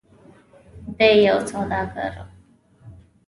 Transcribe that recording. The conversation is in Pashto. د ی یو سوداګر و.